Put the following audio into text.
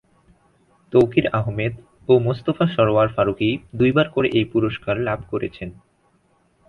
তৌকির আহমেদ ও মোস্তফা সরয়ার ফারুকী দুইবার করে এই পুরস্কার লাভ করেছেন।